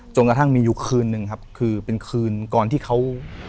กระทั่งมีอยู่คืนนึงครับคือเป็นคืนก่อนที่เขา